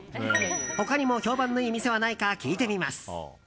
他にも評判のいい店はないか聞いてみます。